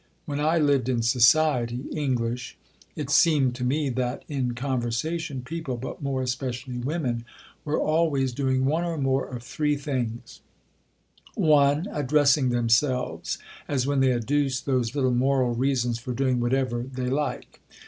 When I lived in society (English) it seemed to me that, in conversation, people, but more especially women, were always doing one or more of three things: (1) Addressing themselves: as when they adduce those little moral reasons for doing whatever they like.